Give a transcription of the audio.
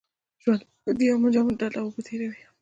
ژوند لکه د یو منجمد ډنډ اوبه تېروي.